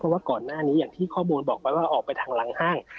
เพราะว่าก่อนหน้านี้อย่างที่ข้อมูลบอกไปว่าออกไปทางหลังห้าง